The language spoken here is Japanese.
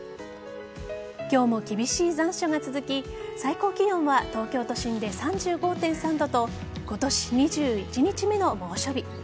今日も厳しい残暑が続き最高気温は東京都心で３５．３度と今年２１日目の猛暑日。